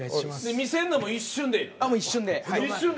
見せんのも一瞬でええの？